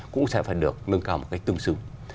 cũng sẽ phải được nâng cao một cách tương xứng